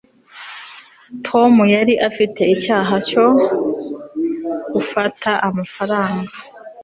tom yari afite icyaha cyo gufata amafaranga